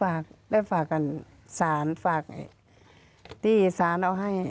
ได้ฝากกันสารฝากที่สารเอาให้